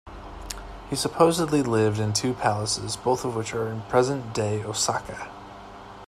He supposedly lived in two palaces both of which are in present-day Osaka.